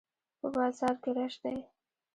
په بازار کښي رش دئ.